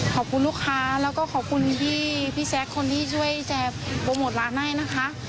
ขอบคุณลูกค้าแล้วก็ขอบคุณพี่แจ๊คคนที่ช่วยจะโปรโมทร้านให้นะคะ